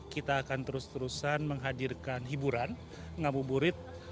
kita akan terus terusan menghadirkan hiburan ngamu burit